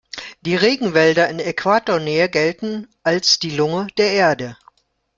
Die Regenwälder in Äquatornähe gelten als die Lunge der Erde.